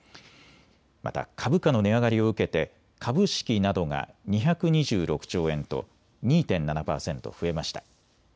また株価の値上がりを受けて株式などが２２６兆円と２．７％増えました。